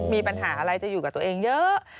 มีปัญหาอะไรจะอยู่กับตัวเองเยอะ